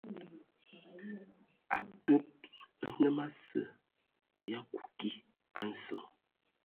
Atud nnəm asə ya kuiki a nsəŋ.